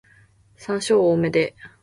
山椒多めで